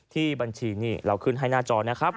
ที่บัญชีนี่เราขึ้นให้หน้าจอนะครับ